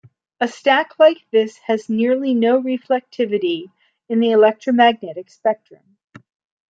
A stack like this has nearly no reflectivity in the Electromagnetic spectrum.